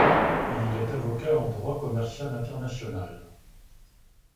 Il est avocat en droit commercial international.